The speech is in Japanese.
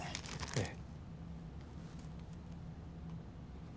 ええ。